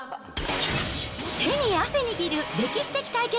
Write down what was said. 手に汗握る歴史的対決！